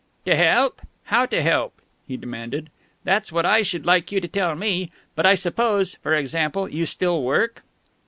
"To help? How to help?" he demanded "That's what I should like you to tell me. But I suppose (for example) you still work?"